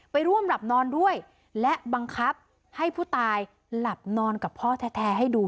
ไปร่วมหลับนอนด้วยและบังคับให้ผู้ตายหลับนอนกับพ่อแท้ให้ดู